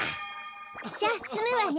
じゃあつむわね。